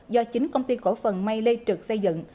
do chính công ty cổ phần may lê trực xây dựng